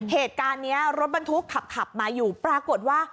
เหตุการณ์นี้รถบรรทุกขับมาอยู่ปรากฏว่า